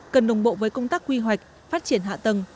cần đồng bộ với công tác quy hoạch phát triển hạ tầng